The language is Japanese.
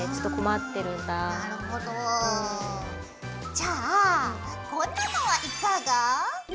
じゃあこんなのはいかが？